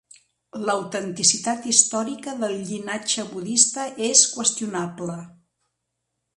L'autenticitat històrica del llinatge budista és qüestionable.